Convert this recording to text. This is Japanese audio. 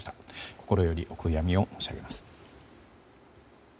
心よりお悔やみを申し上げます。